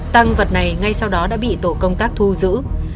tăng vật này ngay sau đó đã bị tổ công tác thu giữ